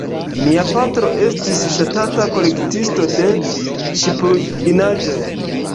Mia patro estis ŝtata kolektisto de ŝipruinaĵoj.